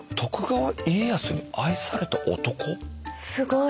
すごい。